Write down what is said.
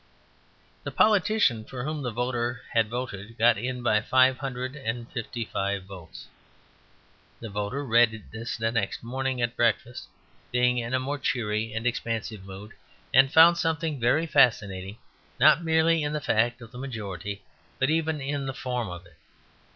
The politician for whom the voter had voted got in by five hundred and fifty five votes. The voter read this next morning at breakfast, being in a more cheery and expansive mood, and found something very fascinating not merely in the fact of the majority, but even in the form of it.